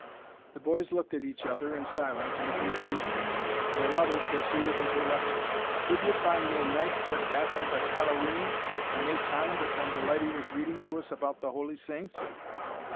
The boys looked at each other in silence and confusion, and their mother proceeded with her lecture. "Could ye find nae night for daffin but Hallowe'en, and nae time but when the leddy was reading to us about the holy Saints?